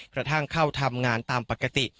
กระทั่งเข้าทำงานตามปกติ